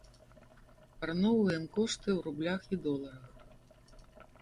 Параўноўваем кошты ў рублях і доларах.